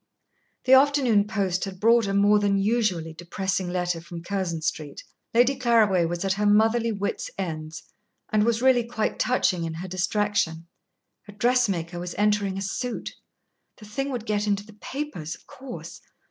The afternoon post had brought a more than usually depressing letter from Curzon Street. Lady Claraway was at her motherly wits' ends, and was really quite touching in her distraction. A dressmaker was entering a suit. The thing would get into the papers, of course.